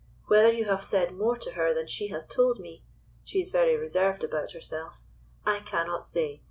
"Whether you have said more to her than she has told me—she is very reserved about herself—I cannot say.